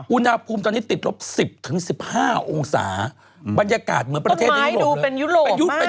อุณหภูมิตอนนี้ติดลบ๑๐๑๕องศาบรรยากาศเหมือนประเทศในยุโรป